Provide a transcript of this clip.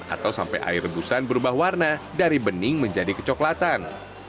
atau sampai air rebusan berubah warna dari bening menjadi kecoklatan